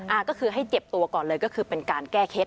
อ่าก็คือให้เจ็บตัวก่อนเลยก็คือเป็นการแก้เคล็ด